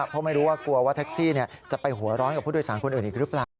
เพราะไม่รู้ว่ากลัวว่าแท็กซี่จะไปหัวร้อนกับผู้โดยสารคนอื่นอีกหรือเปล่า